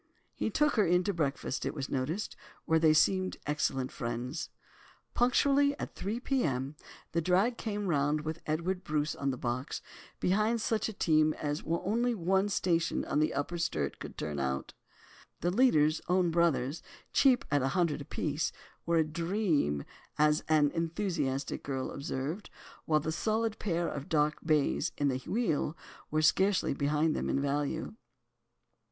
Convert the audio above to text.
He took her in to breakfast, it was noticed, where they seemed excellent friends. Punctually at three p.m. the drag came round with Edward Bruce on the box—behind such a team as only one station on the Upper Sturt could turn out. The leaders—own brothers—cheap at a hundred apiece, were a "dream," as an enthusiastic girl observed, while the solid pair of dark bays in the wheel were scarcely behind them in value.